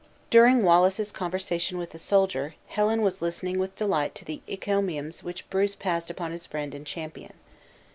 During Wallace's conversation with the soldier, Helen was listening with delight to the encomiums which Bruce passed upon his friend and champion.